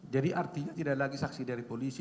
jadi artinya tidak ada lagi saksi dari polisi